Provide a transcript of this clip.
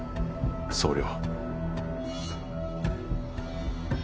総領。